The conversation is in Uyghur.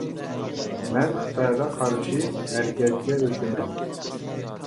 مەن خىتايغا قارشى ھەرىكەتكە ئۆتىمەن.